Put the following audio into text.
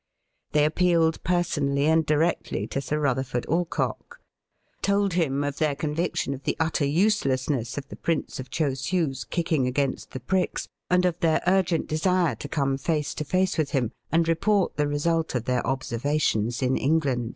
They appealed personally and directly to Sir Kuther ford Alcock ; told him of their conviction of the utter uselessness of the Prince of Chosiu's kicking against the pricks, and of their urgent desire to come face to face with him, and report the result of their observations in England.